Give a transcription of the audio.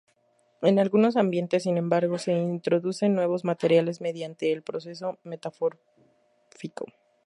En algunos ambientes, sin embargo, se introducen nuevos materiales mediante el proceso metamórfico.